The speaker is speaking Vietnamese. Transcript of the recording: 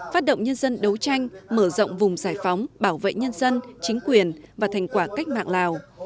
phát động nhân dân đấu tranh mở rộng vùng giải phóng bảo vệ nhân dân chính quyền và thành quả cách mạng lào